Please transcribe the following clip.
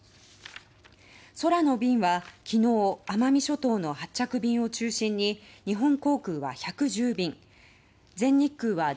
空の便は昨日奄美諸島の発着便を中心に日本航空は１１０便全日空は１４